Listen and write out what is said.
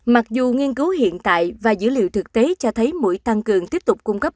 mặc dù nghiên cứu hiện tại và dữ liệu thực tế cho thấy mũi tăng cường tiếp tục cung cấp